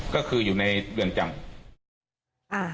ก็คืออยู่ในเรือนจำ